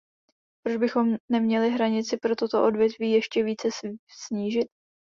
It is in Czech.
Proč bychom neměli hranici pro toto odvětví ještě více snížit?